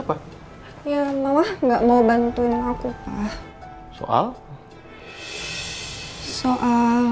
ada apa sih